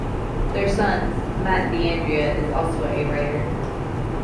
Their son, Matt DeAndrea, is also a writer.